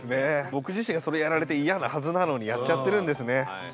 僕自身それやられて嫌なはずなのにやっちゃってるんですね。